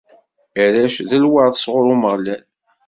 Arrac, d lweṛt sɣur Umeɣlal.